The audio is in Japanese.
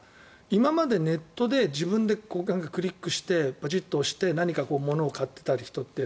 今までネットで自分でクリックしてポチッと押して物を買っていた人って